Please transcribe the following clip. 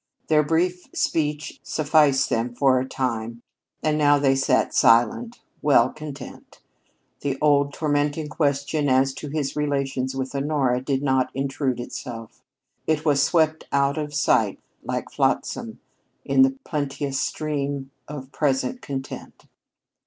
Their brief speech sufficed them for a time, and now they sat silent, well content. The old, tormenting question as to his relations with Honora did not intrude itself. It was swept out of sight like flotsam in the plenteous stream of present content.